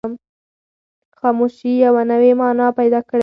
خاموشي یوه نوې مانا پیدا کړې ده.